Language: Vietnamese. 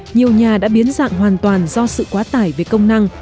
nhiều nhà đã biến dạng hoàn toàn do sự quá tải về công năng